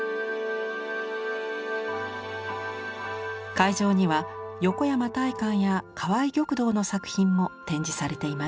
会場には横山大観や川合玉堂の作品も展示されています。